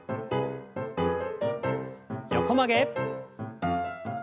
横曲げ。